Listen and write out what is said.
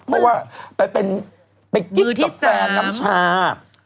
เพราะว่าไปขี้ปร๊อกแฟน่ำฉาบ